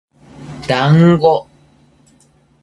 だんご